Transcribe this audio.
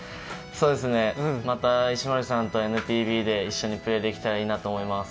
また石森さんとＮＰＢで一緒にプレーできたらいいなと思います。